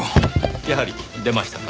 やはり出ましたか。